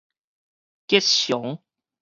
吉祥